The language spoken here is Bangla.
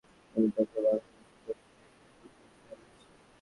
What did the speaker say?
এমন আরও অনেক ফারাজকে আমাদের দরকার—বাংলাদেশে, দক্ষিণ এশিয়ায় তথা সারা বিশ্বে।